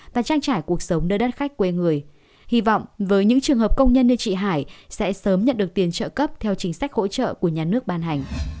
và trang trải cuộc sống nơi đất khách quê người hy vọng với những trường hợp công nhân như chị hải sẽ sớm nhận được tiền trợ cấp theo chính sách hỗ trợ của nhà nước ban hành